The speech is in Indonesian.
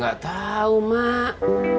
gak tau mak